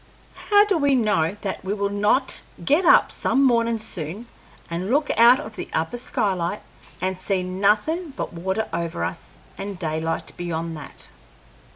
How do we know that we will not get up some mornin' soon and look out of the upper skylight and see nothin' but water over us and daylight beyond that?"